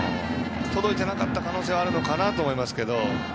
届いていなかった可能性はあるのかなと思いますけど。